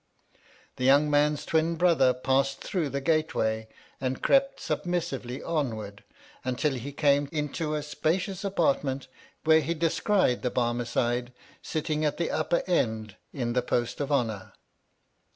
The young man's twin brother passed through the gateway, and crept submissively onward, until he came into a spacious apart ment, where he descried the Barmecide sit ting at the upper end in the post of honour.